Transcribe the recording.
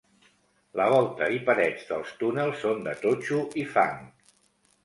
La volta i parets dels túnels són de totxo i fang.